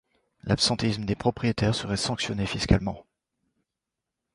L’absentéisme des propriétaires serait sanctionné fiscalement.